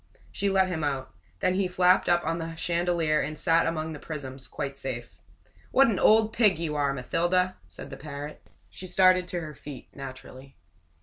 She let him out. Then he flapped up on the chandelier and sat among the prisms, quite safe. "What an old pig you are, Mathilda!" said the parrot. She started to her feet naturally.